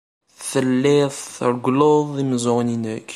Telliḍ treggleḍ imeẓẓuɣen-nnek.